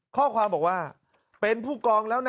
ข้อความบอกว่าเป็นผู้กองแล้วนะ